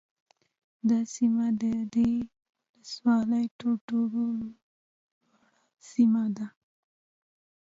دا سیمه د دې ولسوالۍ ترټولو لوړه سیمه ده